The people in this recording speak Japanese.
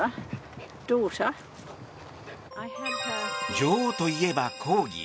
女王といえば、コーギー。